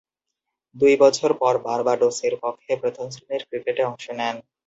দুই বছর পর বার্বাডোসের পক্ষে প্রথম-শ্রেণীর ক্রিকেটে অংশ নেন।